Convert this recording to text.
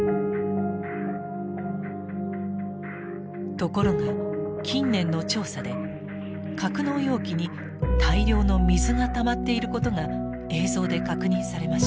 ところが近年の調査で格納容器に大量の水がたまっていることが映像で確認されました。